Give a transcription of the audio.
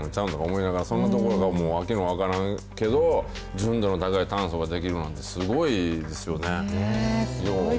思いながら、そんなところがもう訳分からんけど、純度の高い炭素が出来るなんて、すごいですよね。